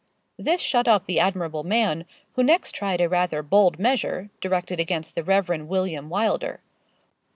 This shut up the admirable man, who next tried a rather bold measure, directed against the Reverend William Wylder.